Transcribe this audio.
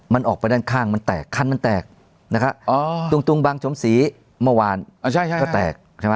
มันออกไปด้านข้างมันแตกคันมันแตกตรงบางชมศรีเมื่อวานก็แตก